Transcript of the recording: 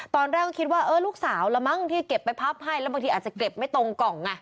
ตอนแรกคิดว่าลูกสาวละมากกว่าที่เก็บไปพับให้แล้วมากกว่าจะต้องเก็บไม่ตรงปค